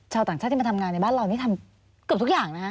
เช่าต่างชะที่มาทำงานในบ้านเรานี่ทำกับทุกอย่างนะ